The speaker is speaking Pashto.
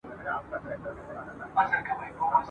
چا پیران اوچا غوثان را ننګوله !.